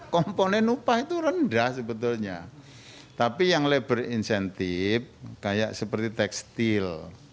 komponen upah itu rendah sebetulnya tapi yang labor insentif kayak seperti tekstil